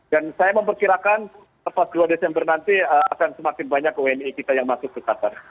dan saya memperkirakan lepas dua desember nanti akan semakin banyak wni kita yang masuk ke qatar